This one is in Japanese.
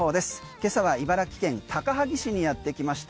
今朝は茨城県高萩市にやってきました。